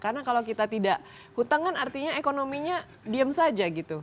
karena kalau kita tidak hutang kan artinya ekonominya diam saja gitu